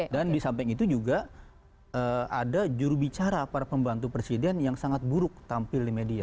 dan di samping itu juga ada jurubicara para pembantu presiden yang sangat buruk tampil di media